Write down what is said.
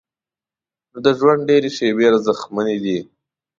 نو د ژوند ډېرې شیبې ارزښتمنې دي.